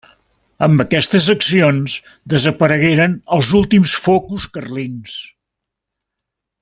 Amb aquestes accions desaparegueren els últims focus carlins.